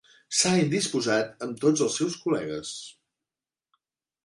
S'ha indisposat amb tots els seus col·legues.